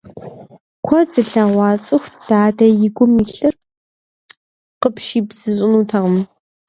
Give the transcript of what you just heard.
Куэд зылъэгъуа цӀыхут дадэ, и гум илъыр къыпщибзыщӀынутэкъым.